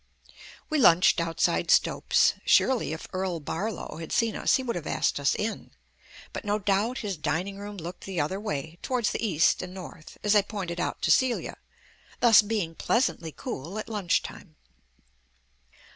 We lunched outside Stopes. Surely if Earl Barlow had seen us he would have asked us in. But no doubt his dining room looked the other way; towards the east and north, as I pointed out to Celia, thus being pleasantly cool at lunch time.